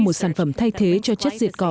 một sản phẩm thay thế cho chất diệt cỏ